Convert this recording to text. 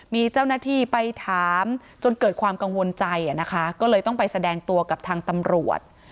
มีเจ้าหน้าที่ไปถามจนเกิดความกังวลใจนะคะก็เลยต้องไปแสดงตัวกับทางตำรวจ